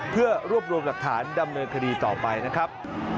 เพื่อรวบรวมหลักฐานดำเนินคดีต่อไปนะครับ